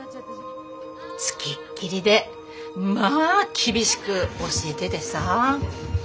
付きっきりでまあ厳しく教えててさ。